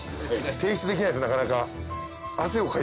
提出できないっすなかなか。